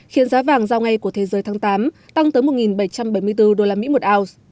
khiến giá vàng giao ngay của thế giới tháng tám tăng tới một bảy trăm bảy mươi bốn usd một ounce